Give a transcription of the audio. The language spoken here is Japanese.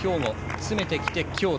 詰めてきて京都。